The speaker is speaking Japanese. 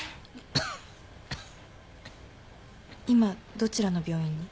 今どちらの病院に？